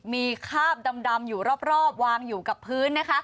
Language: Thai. มีคาบดำอยู่รอบวางอยู่กับพื้นนะคะ